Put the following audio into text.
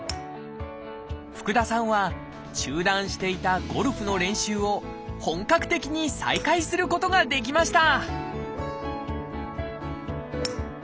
福田さんは中断していたゴルフの練習を本格的に再開することができました！